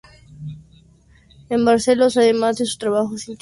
En Barcelos, además de su trabajo científico, impulsó varios proyectos de desarrollo.